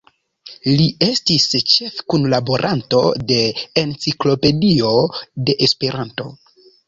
Li estis ĉefkunlaboranto de "Enciklopedio de Esperanto".